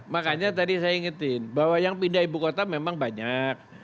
makanya tadi saya ingetin bahwa yang pindah ibu kota memang banyak